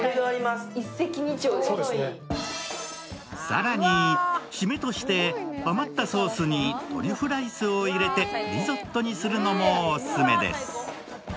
更に、締めとして余ったソースにトリュフライスを入れてリゾットにするのもオススメです。